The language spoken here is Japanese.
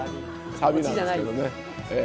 サビなんですけどね。